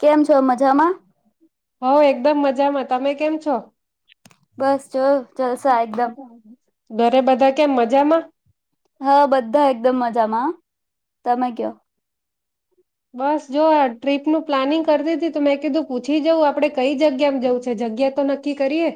કેમ છો મજામાં? હુ એકદમ મજામાં તમે કેમ છો. બસ જો જલસા એકદમ. ઘરે બધા કેમ મજામાં. હા બધા એકદમ મજામાં તમે કયો. બસ જો આ ટ્રીપનું પ્લાનિંગ કરતી હતી તો મેં કીધું પૂછી જઉું આપડણે કઈ જગ્યામાં જવું છે જગ્યા તો નક્કી કરીએ.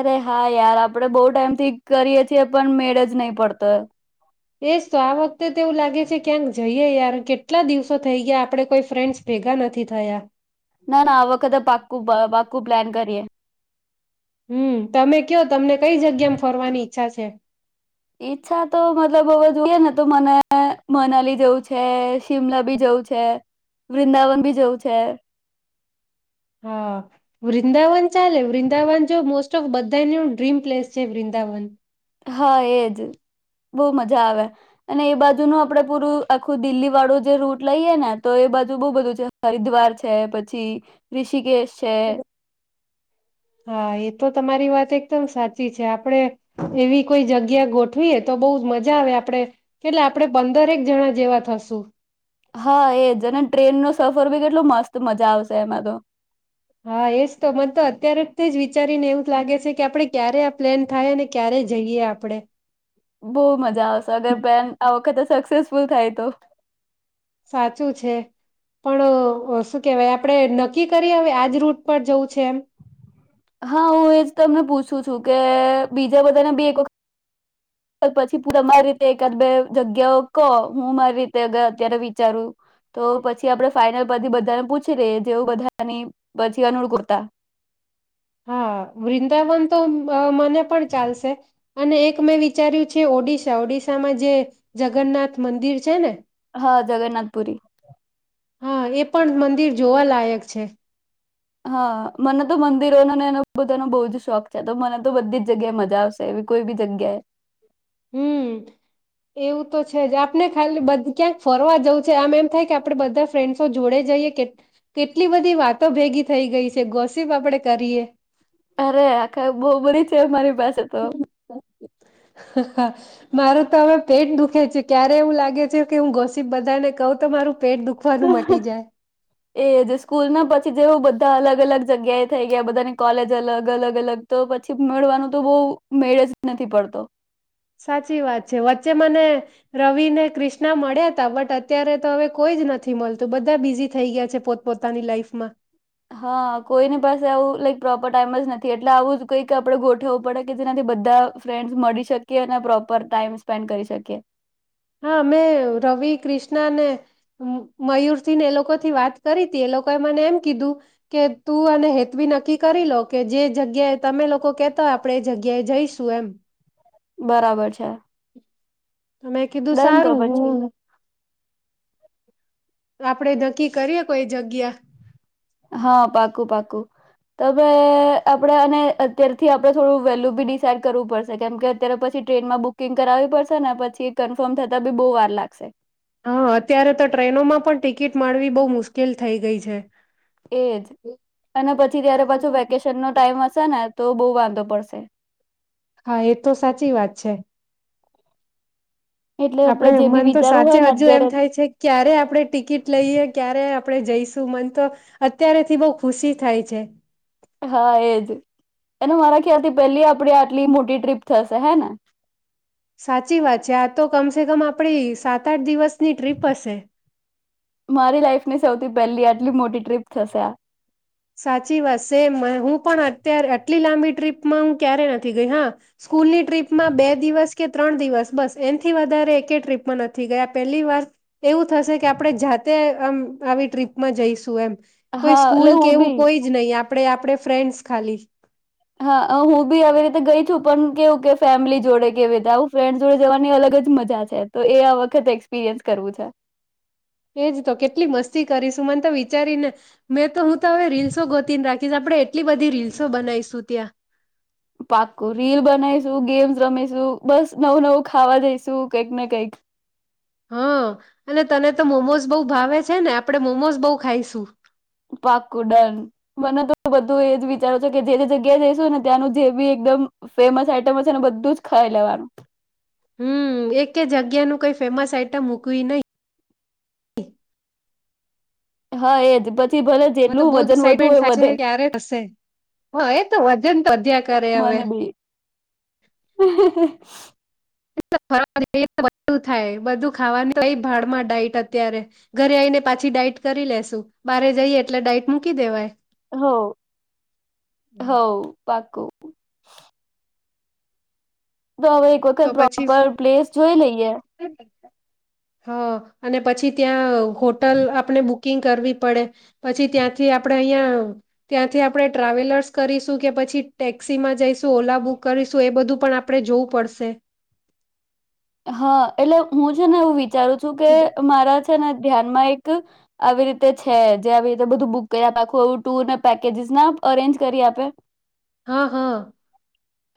અરે હા યાર આપડે બહુ ટાઈમ થી કરીએ છીએ પણ મેળ નહી પડતો એસ તો આ વખતે તો એવું લાગે છે ક્યાંક જઈએ યાર કેટલા દિવસો થઈ ગયા આપણે કોઈ ફ્રેન્ડસ ભેગા નથી થયા. ના ના આ વખતે પાક્કું પાક્કું પ્લાન કરીએ. હમ્મ તમે કયો. તમને કઈ જગ્યામાં ફરવાની ઈચ્છા છે. ઈચ્છા તો મતલબ હવે જોઈએ ને તો મને મનાલી જવું છે શિમલા બી જવું છે વૃંદાવન બી જવું છે. હા વૃંદાવન ચાલે વૃંદાવન જો મોસ્ટ ઓફ બધાનું ડ્રીમ પ્લેસ છે વૃંદાવન. હા એજ બહુ મજા આવે અને એ બાજુનું આપડે પૂરું આખું દિલ્લી વાળું જે રૂટ લઈએ ને તો એ બાજુ બહુ બધું છે હરિદ્વાર છે પછી ઋષિકેશ છે. હા એ તો તમારી વાત એકદમ સાચી છે આપડે એવી કોઈ જગ્યા ગોઠવીએ તો બહ જ મજા આવે આપણે કેટલે આપણે પંદરેક જણા જેવા થશું. હા એજ અને ટ્રેન નો સફર બી કેટલો મસ્ત મજા આવશે એમાં તો. હા એજ તો મને તો અત્યારેથી જ વિચારીને એવું લાગે છે કે આપણે ક્યારે આ પ્લેન થાય અનેને ક્યારે જઈએ આપડે. બહુ મજા આવશે અગર બેન આ વખતે સક્સેસ ફૂલ થાય તો. સાચું છે પણ શું કેહેવાય આપણે નક્કી કરીએ હવે આજ રૂટ પર જવું છે એમ. હા હું એજ તમને પૂછું છું કે બીજા બધાને બી એક વખત. પછી પૂર તમારી રીતે એકાદ બે જગ્યાઓ કહો હું મારી રીતે અગર અત્યારે વિચારું તો પછી આપડે ફાાઈનલ પરતી બધાને પૂછી જેવું બધાની પછી અનુળ કરતા. હા વૃંદાવન તો મ બ મને પણ ચાલશે અને એક મેં વિચાર્યું છે ઓડિશા ઓડિશામાં જે જગન્નાથ મંદિર છે ને. હા જગન્નાથપુરી. હા એ પણ મંદિર જોવા લાયક છે. હા મને તો મંદિરોનોને એ બધાનો બહુ જ શોખ છે તો મને તો બધી જ જગ્યાએ મજા આવશે એવી કોઈ બી જગ્યાએ. હમ્મ એવું તો છે જ આપને ખાલી ક્યાંક ફરવા જવું છે આમ એમ થાય કે આપડે બધા ફ્રેન્ડસો જોડે જઈએ કે કેટલી બધી વાતો ભેગી થઈ ગઈ છે ગોશિપ આપડે કરીએે. અરે આખા બહુ બધી છે મારી. પાસે તો હ હા. મારું તો હવે પેટ દુખે છે ક્યારે એવું લાગે છે કે હું ગોસીબ બધા ને કહું તો મારું પેટ દુખવાનું મટી જાય. એ જે સ્કૂલ ના પછી જેવું બધ. બધા અલગ અલગ જગ્યાએ થઈ ગયા બધાની કોલેજ અલગ અલગ અલગ તો પછી મેવાનું તો બહ મેળે જ નથી પડતો સાચી વાત છે વચ્ચે મને રવિ ને ક્રિષ્ના મળ્યા તા બટ અત્યારે તો હવે કોઈ જ નથી મળતું બધા બિઝી થઈ ગયા છે પોત પોતાની લાઈફમાં હા, કોઈની પાસે આવું લાઈક પ્રોપર ટાઈમ જ નથી એટલે આવું જ કંઈક આપણે ગોઠવું પડે કે જેનાથી બધા ફ્રેન્ડસ મળી શકીએ અને પ્રોપર ટાઈમ સ્પેન્ડ કરી શકીએ. હા, મેમે રવિ ક્રિષ્નાને મયુર થીને એ લોકો થી વાત કરી હતી એ લોકોએ મને એમ કીધું કે તું અનેને હેતવી નક્કી કરી લો કે જે જગ્યાએ તમે લોકો કેતા હોય આપણેે એ જગ્યાએ જઈશું એમ. બરાબર છે. તો મેં કીધું ડન તો સારું પછી હું. આપડે નક્કી કરીએ કોઈ જગ્યા. હા, પાકું-પાકું તમેં આપડે અને અત્યારથી આપડણે થોડું વેલ્યુ બી ડિસાઈડ કરવું પડશે કેમ કે અત્યારે પછી ટ્રેનમાં બુકિંગ કરાવવી પડશે ને પછી કન્ફર્મ થતા બી બહુ વાર લાગશે. હા, અત્યારે તો ટ્રેનોમાં પણ ટિકિટ માણવી બહુ મુશ્કેલ થઈ ગઈ છે. એજ, અને પછી ત્યારે પાછું વેકેશન નો ટાઈમ હશે ને. તો બહુ વાંધો પડશે. હા એ તો સાચી વાત છે. એટલે આપડે જે બી મન તો વિચારવું હોય સાચે ને હજુ એમ અત્યારે થાય છે ક્યારે આપડણે ટિકિટ લઈએ ક્યારે આપણે જઈશું મન તો, અત્યારેથી બહ ખુશી થાય છે. હા એજ, અને મારા ખ્યાલથી પેલી આપે આટલી મોટી ટ્રીપ થશે હે ને? સાચી વાત છે આ તો કમસેે કમ આપણી સાત આઠ દિવસની ટ્રીપ હશે. મારી લાઈફની સૌથી પહેલી આટલી મોટી ટ્રીપ થશે આ. સાચી વાત સેમ હું પણ અત્યારે આટલી લાંબી ટ્રીપમાં હું ક્યારેય નથી ગઈ હા, સ્કૂલની ટ્રીપમાં બે દિવસ કે ત્રણ દિવસ બસ એનથી વધારે એકે ટ્રીપમાં નથી ગયા પહેલી વાર એવું થશે કે આપણે જાતે આમ આવી ટ્રીપમાં જઈશું એમ. કોઈ હા એટલે સ્કૂલ કે હું એવું બી કોઈ જ નહીં આપ આપડે આપડે ફ્રેન્ડ્સ ખાલી. હા હું બી આવી રીતે ગઈ છું પણ કેવું કે ફેમિલી જોડે કેવી રીતે આવું ફ્રેન્ડસ જોડે જવાની અલગ જ મજા છે, તો એ આ વખત એક્સપિરિયન્સ કરવું છે. એજ તો કેટલી મસ્તી કરીશ. તું મને તો વિચારીને, મેં તો હું તો હવે રીલ્સો ગોતીને રાખીશ આપડણે એટલી બધી રીલ્સો બનાવીશું ત્યાં. પાકું રીલ બનાવીશું ગેમ્સ રમીશું બસ નવું-નવું ખાવા દઈશું કઈક ને કઈક. હા, અને તને તો મોમોઝ બહુ ભાવે છે ને આપણે મોમોઝ બહુ ખાઈશું. પાકુડન, મને તો બધું એજ વિચારો છેો કે જે જે જગ્યા જઈશું ને ત્યાંનું જે બી એકદમ ફેમસ આઈટમ હશે ને બધું જ ખાઈ લેવાનું. હમમ, એક જગ્યા ન કઈ ફેમસ આઈટમ મૂકવી નહી. હા એજ બધું મ તો બહ જ એસાઇટમેન્ટ થ ક્યારે હશે, હ એ તો વધન તો અ્યા કરે હવે. મને બી [inaudible] બ થાય બધું ખાવાનું કઈ ભાડ માં ડાટ અત્યારે ઘરે આવીઈને પાછી ડઇટ કરી લસુ બરે જઈએ એટલે ડઇટ મૂકી દેવાય. હ, હો. પાકું. તો હવે એક તો વખત પછી પ્રોપર પ્લેસ જોઈ લઈએ. હ, અને પછી ત્યાં હોટલ આપણે બુકિંગ કરવી પડે, પછી ત્યાંથી આપણે અહિયાં ત્યાંથી આપણે ટ્રાવેલર્સ કરીશું કે પછી ટેક્સી માં જઈશું ઓલા બુક કરીશું એ બધું પણ આપણે જોવું પડશે. સે. હા એટલે હું છે ને એવું વિ વિચારું છું કે મારા ને ધ્યાનમાં એક, આવી રીતે છે જે આવી રીતે બધું બુક કરી આપે આખું એ ટુર ને પેકેજસ ના અરેન્જ કરી આપે. હા હા.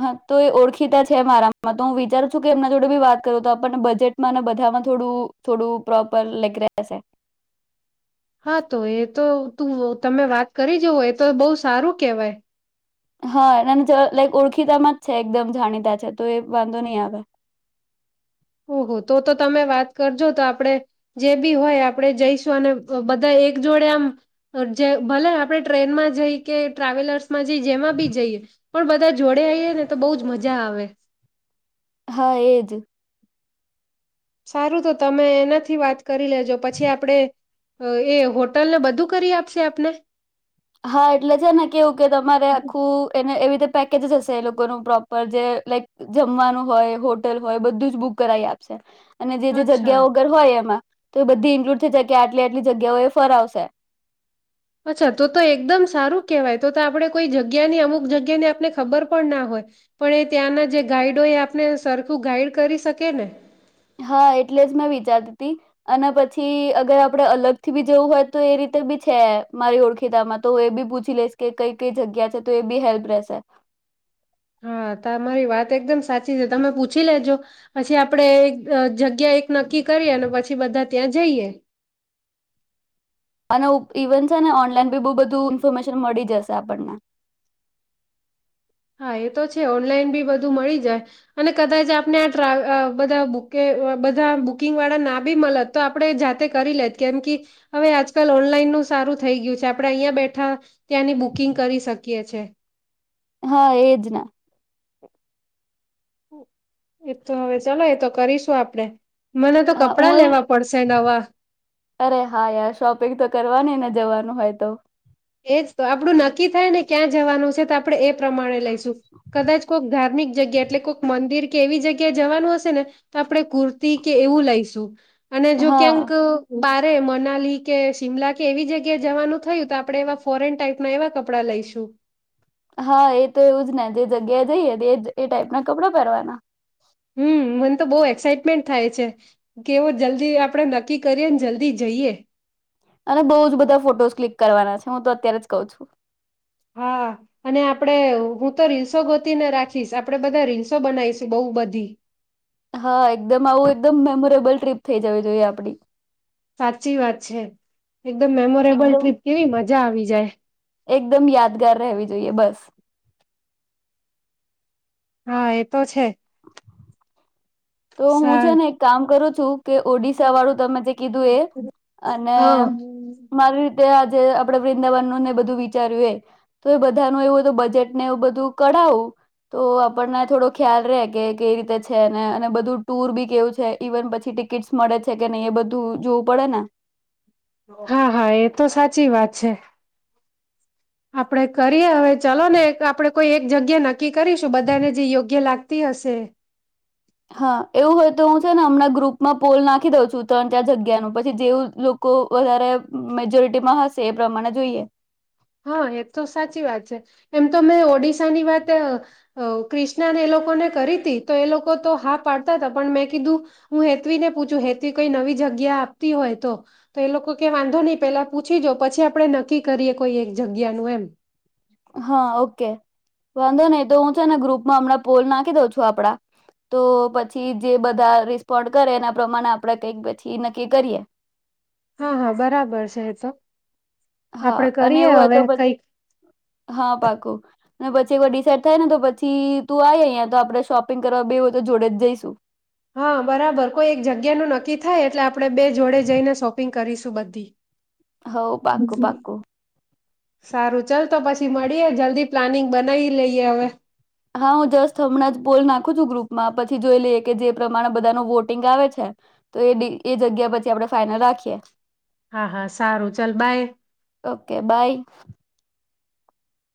હા તો એ ઓળખીતા છે મારામાં તો હું વિચારું છું કે એમના જોડે વાત કરો તો આપણને બજેટમાં અને બધામાં થોડું થોડું પ્રોપર લાઈક રહેશે. હા તો એ તો તું તમે વાત કરી જવો એ તો બહુ સારું કેહેવાય. હા અને લાઈક ઓળખીતા જ છે એકદમ જાણીતા છે તો એ વાંધો નહી આવે. ઓહ તો તો તમે વાત કરજો તો આપણે જે બી હોય આપણે જઈશું અને બધા એક જોડે આમ, જે ભલે આપણે ટ્રેનમાં જઈ કે ટ્રાવેલર્સમાં જઈ જેમાં બી જઈએ, પણ બધા જોડે આવીઈએ ને તો બહ જ મજા આવે. હા એજ. સારું તો તમે એનાથી વાત કરી લેજો પછી આપણેે, એ હોટલને બધું કરી આપશે આપને? હા એટલે છે ને કેવું કે તમારે આખું એને એવી પેકેજ હશે એ લોકોનું પ્રોપર જે લાઈક જમવાનું હોય હોટલ હોય બધું જ બુક કરાવી આપશે. અને જે જે અચ્છા જગ્યા વગર હોય એમાં. તો એ બધી ઇન્ક્લુડ થઈ જાય કે આટલી આટલી જગ્યાઓ એ ફરા આવશે. અચ્છા તો તો એકદમ સારું કેહેવાય તો તો આપણે કોઈ જગ્યાની અમુક જગ્યાની આપને ખબર પણ ના હોય પણ એ ત્યાંના જે ગાઈડ હોય એ આપને સરખું ગાઈડ કરી શકી ને હા એટલે જ મેં વિચારતી હતી અને પછી અગર આપડે અલગથી બી જવું હોય તો એ રીતે બી છે મારી ઓળખીતામાં તો હ એ બી પૂછી લઈશ કે કઈ કઈ જગ્યા છે તો એ બી હેલ્પ રહેશે હા તો તમારી વાત એકદમ સાચી છે તમે પૂછી લેજો પછી આપડે જગ્યા એક નક્કી કરીએ અને પછી બધા ત્યાં જઈએ ઇવન. ને બહુ ઓનલાઈન બી બુ બધું શન મળી જશે આપણને. હા એ તો છે ઓનલાઈન બી બધું મળી જાય અને કદાચ આપને આ ટ્ર બધા બધા બુકિંગ વાળા ના બી મળત તો આપણે જાતે કરી લેજ કેમ કે હવે આજકાલ ઓનલાઈનનું સારું થઈ ગયું છે આપણે અહીંયા બેઠા ત્યાંની બુકિંગ કરી શકીએ છે. હા એજ ના. એતો હવે ચલો એતો કરીશું આપણે. હા હું એવું અરે હા યાર શોપિંગ તો કરવાની ને જવાનું. હોય તો એ જ તો આપડું નક્કી થાય ને ક્યાં જવાનું છે તો આપડણે એ પ્રમાણે લઈ કદાચ કોક ધાર્મિક જગ્યા એટલે કોઈક મંદિર કે એવી જગ્યા જવાનું હશે ને તો આપણે કુર્તી કે એવું લઈશું. અને જો હા ક્યાંક બાર મનાલી કે શિમલા કે એવી જગ્યાએ જવાનું થયું તો આપ આપણે એવા ફોરેન ટાઈપના એવા કપડાં લઈશું હા એ તો એવું જ ને જે જગ્યાએ જઈએ એ ટાઈપ ના કપડા પહેરવાના હમ મને તો બહુ એક્સાઈટમેન્ટ થાય છે કેવો જલ્દી આપણેે નક્કી કરીએ જલ્દી જઈએ. અને બઉુ જ બધા ફોટોસ ક્લિક કરવાના છે હું તો અત્યારે જ કઉ છું. હા અને આપડણે હું તો રીલ્સો ગોતીને રાખીશ આપડે બધા રીલ્સો બનાવીશું બહુ બધી. હા એકદમ આવું એકદમ મેમોરેબલ ટ્રીપ થઇ જવી જોઈએ આપડી. સાચી વાત છે. એકદમ મેમોરેબલ એકદમ ટ્રીપ કેવી મજા આવી જાય. એકદમ યાદગાર રહેવી જોઈએ બસ. હા એ તો છે. તો હું છે સારું. ને એક કામ કરું. તો કે ઓડિશા વાળું તમે જે કીધું એ અને હા મારી રીતે આપણે વૃંદાવનને બધું વિચાર્યું તો એ બધાનું એવું બજેટને એ બધું કઢાવું તો આપણને થોડો ખ્યાલ રે કે કઈ રીતે છે ને બધું ટુર બી કેવું છે ઈવન પછી ટિકિટસ મળે છે કે નહી એ બધું જોવું પડે ને હા હા એ તો સાચી વાત છે. આપણેે કરીએ હવે ચલો ને આપણે કોઈ એક જગ્યા નક્કી કરીશું બધાને જે યોગ્ય લાગતી હશે. હા એવું હોય તો હું છે ને હમણાં ગ્રુપમાં પોલ નાખી દઉં છું ત્રણ ચાર જગ્યાનું પછી જેવું લોકો વધારે મેજોરિટીમાં હશે એ પ્રમાણે જોઈએ. હા એ તો સાચી વાત છે એમ તો મેં ઓડિશાની વાત ક્રિષ્નાને એ લોકોને કરી હતી તો એ લોકો તો હા પાડતા હતા પણ મેં કીધું હું હેતવીને પૂછું હેતવી કઈ નવી જગ્યા આપતી હોય તો તો એ લોકો ક વાંધો નહી પેલા પૂછી જો પછી આપણે નક્કી કરીએ કોઈ એક જગ્યા નું એમ. હા ઓકે વાંધો નહી તો હું છે ને ગ્રુપમાં હમણાં પોલ નાખી દઉં છું આપડા તો પછી જે બધા રિસ્પોન્ડ કરે એના પ્રમાણે આપણેે કઈક પછી નક્કી કરીએ હા હા બરાબર છે એ તો. હા આપડે અને કરીએ એવું હોય તો હવે પછી. કઈક હા પાકું. અને પછી એક વાર ડિસાઇડ થાય ને તો પછી તું આ અહીંયા તો આપડે શોપિંગ કરવા બે હો તો જોડે જઈશું. હા બરાબર કોઈ એક જગ્યાનું નક્કી થાય એટલે આપણે બે જોડે જઈને શોપિંગ કરીશું બધી. હ પાકું પાકું. સારું ચાલ તો પછી મળીએ જલ્દી પ્લાનિંગ બનાવી લઈએ હવે. હા હું જસ્ટ હમણાં જ પોલ નાખું છું ગ્રુપમાં પછી જોઈ લઈએ કે જે પ્રમાણે બધાનું વોટિંગ આવે છે તો એ એ જગ્યા પછી આપણે ફાાઈનલ રાખીએ. હા હા સારું ચાલ બાય. Okay by.